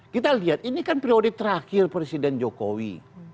kita lihat ini kan prioritas terakhir presiden jokowi